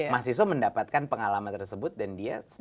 mahasiswa mendapatkan pengalaman tersebut dan dia